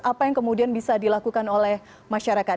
apa yang kemudian bisa dilakukan oleh masyarakat